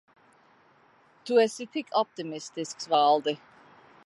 Tu esi tik optimistisks, Valdi.